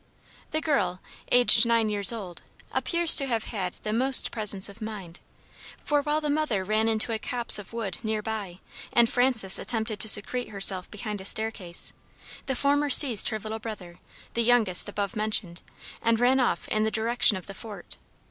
The girl, aged nine years old, appears to have had the most presence of mind, for while the mother ran into a copse of wood near by, and Frances attempted to secrete herself behind a staircase, the former seized her little brother, the youngest above mentioned, and ran off in the direction of the fort.